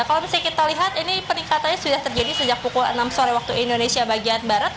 kalau misalnya kita lihat ini peningkatannya sudah terjadi sejak pukul enam sore waktu indonesia bagian barat